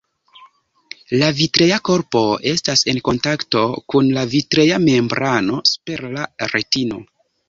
La vitrea korpo estas en kontakto kun la vitrea membrano super la retino.